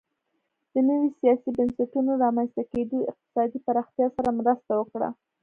د نویو سیاسي بنسټونو رامنځته کېدو اقتصادي پراختیا سره مرسته وکړه